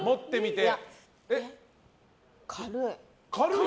軽い。